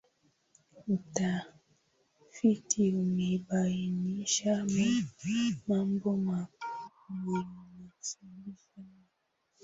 Utafiti umebainisha mambo makuu yanasababisha umaskini